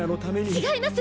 違います！